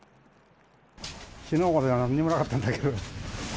きのうまではなんにもなかったんだけど。